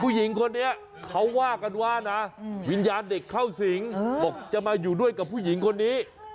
ผู้หญิงคนนี้เขาว่ากันว่านะวิญญาณเด็กเข้าสิงบอกจะมาอยู่ด้วยกับผู้หญิงคนนี้